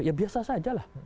ya biasa saja lah